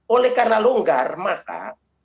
oleh karena longgar maka